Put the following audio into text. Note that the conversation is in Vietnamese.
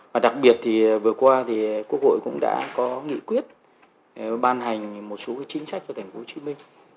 và đặc biệt thì vừa qua thì quốc hội cũng đã có nghị quyết ban hành một số chính sách cho thành phố hồ chí minh